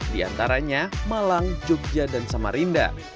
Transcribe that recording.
di antaranya malang jogja dan samarinda